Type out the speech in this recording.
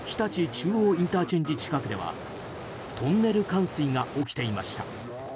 中央ＩＣ近くではトンネル冠水が起きていました。